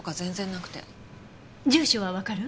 住所はわかる？